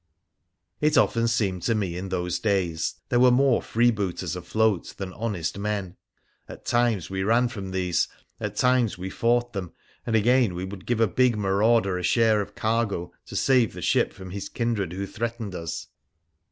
It often seemed to me in those days there were more free booters afloat than honest men. At times we ran from these, at times we fought them, and again we would give a big marauder a share of cargo to save the ship from his kindred who threatened us.